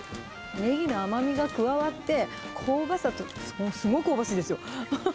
ネギの甘みが加わって、香ばしさと、すごく香ばしいですよ。